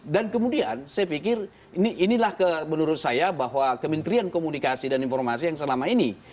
dan kemudian saya pikir inilah menurut saya bahwa kementerian komunikasi dan informasi yang selama ini